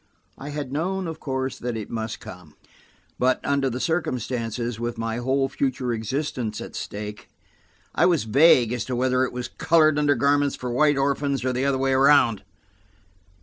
I had known, of course, that it must come, but under the circumstances, with my whole future existence at stake, I was vague as to whether it was colored undergarments on white orphans or the other way round.